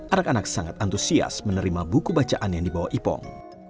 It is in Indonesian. anak anak sangat antusias menerima buku bacaan yang dibawa ipong